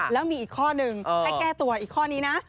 แล้วมีอีกข้อหนึ่งให้แก้ตัวอีกข้อนี้นะ